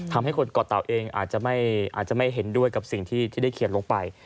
ทำให้คนก่อเต่าเองอาจจะไม่เห็นด้วยกับสิ่งที่ได้เขียนลงไป